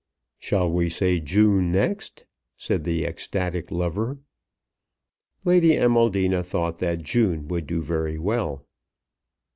"Shall we say June next?" said the ecstatic lover. Lady Amaldina thought that June would do very well.